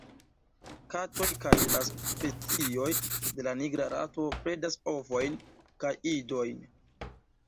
Katoj kaj la specio de la Nigra rato predas ovojn kaj idojn.